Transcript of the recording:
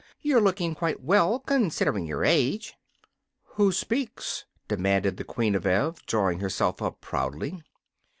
"You're looking quite well, considering your age." "Who speaks?" demanded the Queen of Ev, drawing herself up proudly.